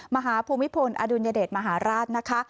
ภูมิพลอดุลยเดชมหาราชนะคะ